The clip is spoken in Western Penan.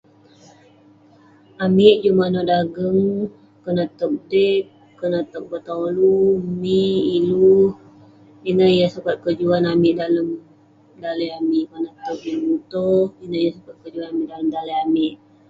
Amik juk manuek dageng konak tok dek konak tok betolu mie elu ineh yah sukat kejuan amik dalem daleh amik konak avin muto ineg kesukat kejuan amik dalem daleh amik